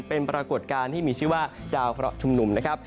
เป็นปรากฏการณ์ที่มีชื่อว่าดาวเพราะชุมนุมนะครับ